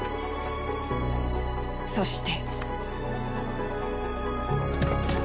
そして。